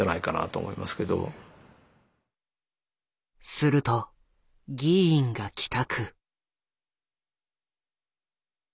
すると議員が帰宅。